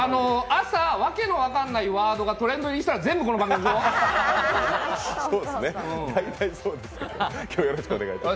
朝、訳の分かんないワードがトレンド入りしたら全部、この番組でしょう。